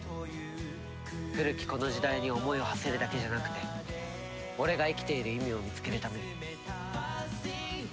古きこの時代に思いをはせるだけじゃなくて俺が生きている意味を見つけるために。